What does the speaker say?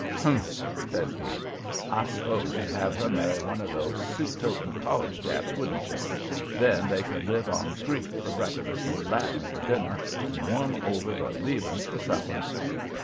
"Humph!" says he. "I s'pose you'd have her marry one of these soup toting college chaps, wouldn't you? Then they could live on Greek for breakfast and Latin for dinner and warm over the leavings for supper.